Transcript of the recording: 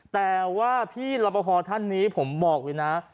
แต่ว่าพี่รับบัพอธรรมนี้ผมบอกนะ